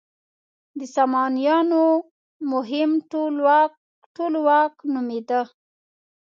د سامانیانو مهم ټولواک نومېده.